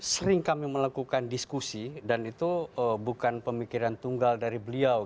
sering kami melakukan diskusi dan itu bukan pemikiran tunggal dari beliau